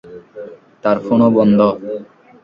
তার ফোনও বন্ধ।